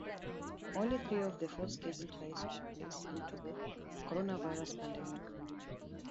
Only three of the four scheduled ties took place due to the coronavirus pandemic.